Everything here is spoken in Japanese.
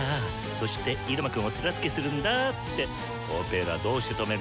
そして入間くんを手助けするんだ！ってオペラどうして止めんの？